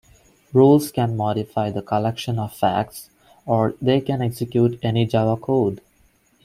Rules can modify the collection of facts, or they can execute any Java code.